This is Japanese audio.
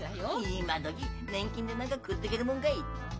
今どき年金でなんが食っでげるもんかい。